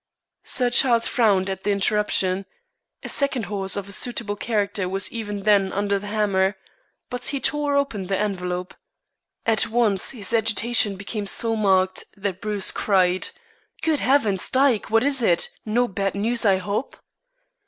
Sir Charles frowned at the interruption a second horse of a suitable character was even then under the hammer but he tore open the envelope. At once his agitation became so marked that Bruce cried: "Good heavens, Dyke, what is it? No bad news, I hope?"